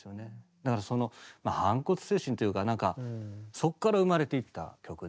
だからその反骨精神というかなんかそっから生まれていった曲で。